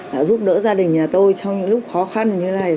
đã giúp đỡ gia đình nhà tôi trong những lúc khó khăn như thế này